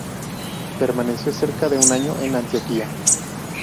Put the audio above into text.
Permaneció cerca de un año en Antioquia.